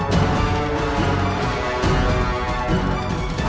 selamat tinggal puteraku